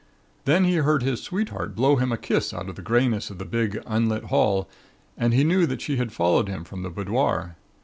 Then he heard his sweetheart blow him a kiss out of the greyness of the big, unlit hall and he knew that she had followed him from the boudoir.